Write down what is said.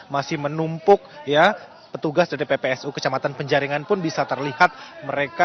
masih menumpuk ya petugas dari ppsu kecamatan penjaringan pun bisa terlihat mereka